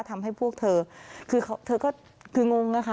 ทำให้พวกเธอคือเธอก็คืองงนะคะ